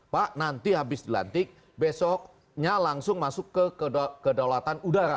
pak nanti habis dilantik besoknya langsung masuk ke kedaulatan udara